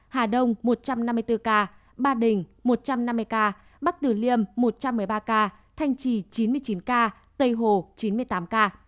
hà đông một trăm năm mươi bốn ca ba đình một trăm năm mươi ca bắc tử liêm một trăm một mươi ba ca thanh trì chín mươi chín ca tây hồ chín mươi tám ca